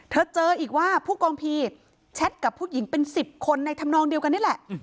เจออีกว่าผู้กองพีแชทกับผู้หญิงเป็น๑๐คนในธรรมนองเดียวกันนี่แหละ